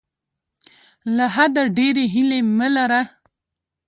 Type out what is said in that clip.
له حده ډیرې هیلې مه لره.